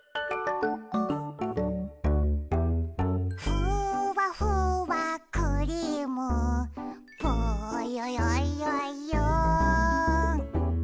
「ふわふわクリームぽよよよよん」